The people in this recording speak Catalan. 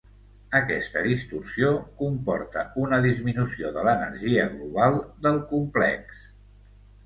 Aquesta distorsió comporta una disminució de l'energia global del complex.